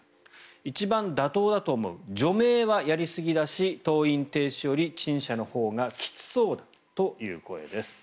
一番妥当だと思う除名はやりすぎだし登院停止より陳謝のほうがきつそうという声です。